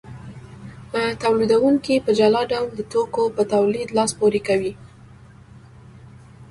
تولیدونکي په جلا ډول د توکو په تولید لاس پورې کوي